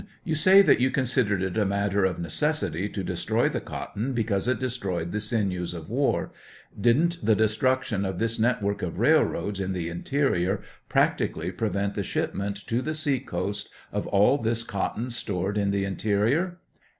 You say that you Gonsidered it a matter of neces sity to destroy the cotton because it destroyed the sinews of war ; didn't the destruction of this net work of railroads in the interior practically prevent the shipment to the sea coast of all this cotton stored in the interior?